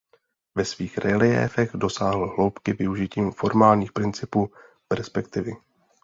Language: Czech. Ve svých reliéfech dosáhl hloubky využitím formálních principů perspektivy.